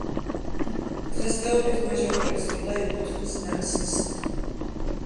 დღესდღეობით მაჟორელის ვილა ეკუთვნის ნანსის.